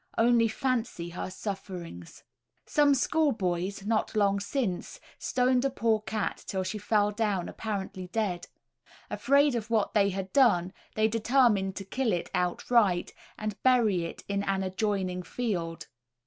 Only fancy her sufferings. Some schoolboys, not long since, stoned a poor cat till she fell down apparently dead. Afraid of what they had done, they determined to kill it outright, and bury it in an adjoining field.